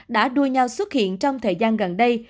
đã đua nhau xuất hiện trong thời gian gần đây